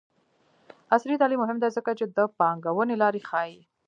عصري تعلیم مهم دی ځکه چې د پانګونې لارې ښيي.